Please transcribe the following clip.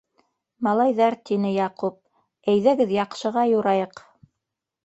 - Малайҙар, - тине Яҡуп, — әйҙәгеҙ яҡшыға юрайыҡ.